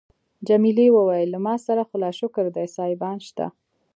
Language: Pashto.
جميلې وويل: له ما سره خو لا شکر دی سایبان شته.